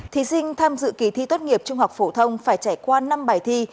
thí sinh tham dự kỳ thi tốt nghiệp trung học phổ thông phải trải qua năm bài thi